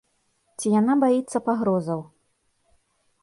Ці яна баіцца пагрозаў?